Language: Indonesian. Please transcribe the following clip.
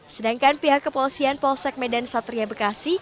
sedangkan pihak kepolisian polsek medan satria bekasi